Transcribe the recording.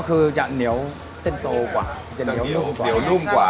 ก็คือจะเหนียวเส้นโตกว่าจะเหนียวนุ่มกว่า